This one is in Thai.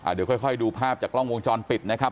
เดี๋ยวค่อยดูภาพจากกล้องวงจรปิดนะครับ